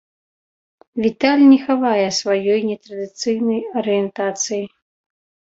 Віталь не хавае сваёй нетрадыцыйнай арыентацыі.